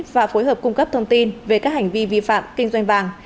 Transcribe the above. và phối hợp cung cấp thông tin về các hành vi vi phạm kinh doanh vàng